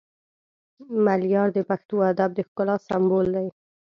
ملیار د پښتو ادب د ښکلا سمبول دی